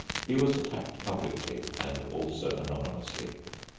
He was attacked publicly and also anonymously.